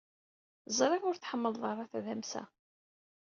Ẓriɣ ur tḥemmled ara tadamsa.